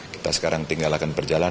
kita sekarang tinggalkan perjalanan